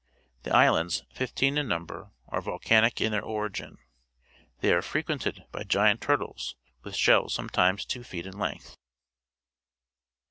The islands, fifteen in number, are volcanic in their origin. They are frequented by giant turtles, with shells sometimes two feet in length.